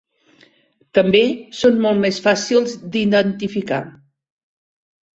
També són molt més fàcils d'identificar.